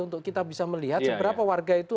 untuk kita bisa melihat seberapa warga itu